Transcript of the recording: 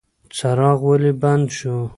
څراغ ولې بند شو؟